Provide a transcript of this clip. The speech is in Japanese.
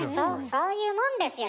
そういうもんですよ